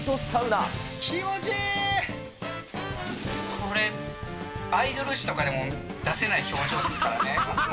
これ、アイドル誌とかでも出せない表情ですからね。